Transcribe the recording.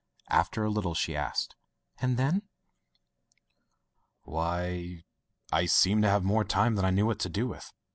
After a little she asked: "And then?'' "Why — I seemed to have more time than I knew what to do with.